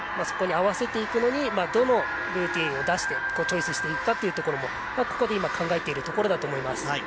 そこに合わせていくのにどのルーティンを出してチョイスしていくかも考えているところだと思います。